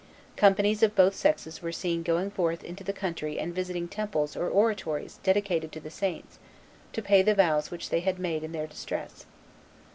Companies of both sexes were seen going forth into the country and visiting temples or oratories dedicated to the saints, to pay the vows which they had made in their distress.